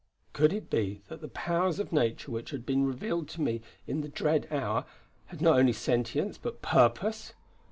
Could it be that the powers of Nature which had been revealed to me in the dread hour had not only sentience but purpose!